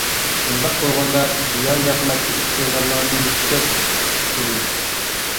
بۇنداق بولغاندا، زىيان-زەخمەتكە ئۇچرىغانلارنىڭ كۆپ بولىدۇ.